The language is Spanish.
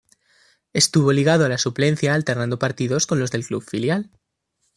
Estuvo ligado a la suplencia alternando partidos con los del club filial.